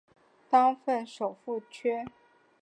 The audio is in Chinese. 当赍首赴阙。